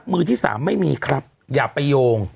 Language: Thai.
มือที่สามไม่มีครับอย่าไปโยง